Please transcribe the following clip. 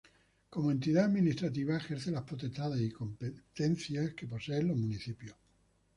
Como entidad administrativa ejerce las potestades y competencias que poseen los municipios.